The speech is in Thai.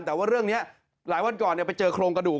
แต่ว่าเรื่องนี้หลายวันก่อนไปเจอโครงกระดูก